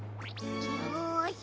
よし！